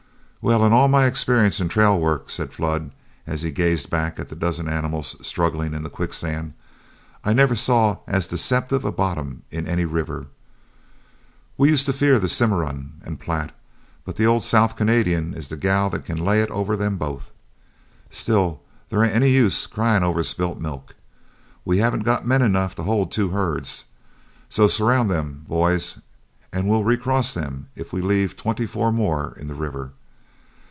"Well, in all my experience in trail work," said Flood, as he gazed back at the dozen animals struggling in the quicksand, "I never saw as deceptive a bottom in any river. We used to fear the Cimarron and Platte, but the old South Canadian is the girl that can lay it over them both. Still, there ain't any use crying over spilt milk, and we haven't got men enough to hold two herds, so surround them, boys, and we'll recross them if we leave twenty four more in the river.